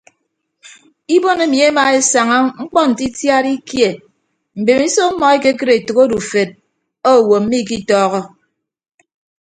Ibon emi emaesaña mkpọ nte itiad ikie mbemiso ọmmọ ekekịd etәk odufed owo mmikitọọhọ.